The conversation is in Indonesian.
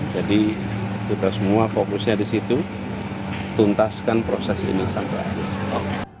jadi kita semua fokusnya di situ tuntaskan proses ini sampai akhir